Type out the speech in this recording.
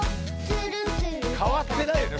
変わってないよね